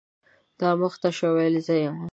دا مخ ته شوه ، ویل زه یم .